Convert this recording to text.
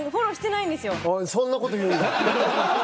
私おいそんな事言うんや。